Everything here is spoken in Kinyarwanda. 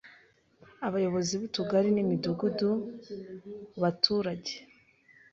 ayobozi ’butugari n’imidugudu baturage ’